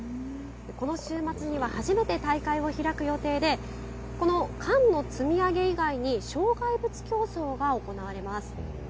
この週末には初めて大会を開く予定で、この缶の積み上げ以外に、障害物競走が行われます。